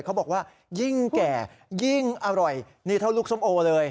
เขาบอกว่ายิ่งแก่ยิ่งอร่อยนี่เท่าลูกส้มโอเลย